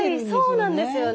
そうなんですよね。